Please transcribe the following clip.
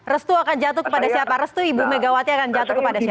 restu akan jatuh kepada siapa restu ibu megawati akan jatuh kepada siapa